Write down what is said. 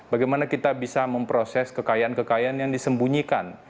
bagaimana kita bisa memproses kekayaan kekayaan yang disembunyikan